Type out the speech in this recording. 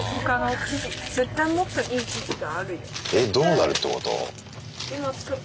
えっどうなるってこと？